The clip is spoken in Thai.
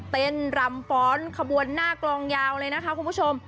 รำฟ้อนขบวนหน้ากลองยาวเลยนะคะคุณผู้ชม